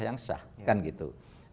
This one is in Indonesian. yang sah kan gitu